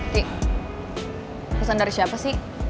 tik pesan dari siapa sih